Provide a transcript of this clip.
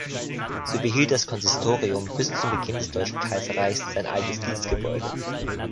So behielt das Konsistorium bis zu Beginn des Deutschen Kaiserreichs sein altes Dienstgebäude.